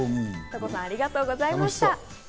トコさん、ありがとうございました。